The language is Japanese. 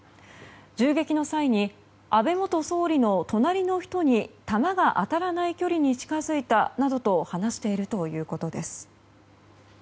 銃撃の際に安倍元総理の隣の人に弾が当たらない距離に近づいたなどと話しているということです。